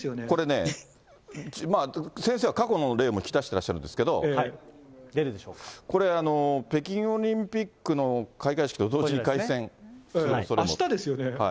これね、先生は過去の例もきたしてらっしゃるんですけれども、北京オリンピックの開会式とあしたですよね。